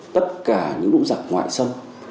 tất cả những lũ giặc ngoại sâm